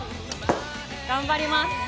頑張ります。